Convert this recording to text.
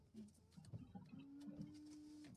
该提案被转送中央机构编制委员会。